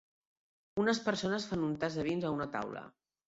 Unes persones fan un tast de vins a una taula.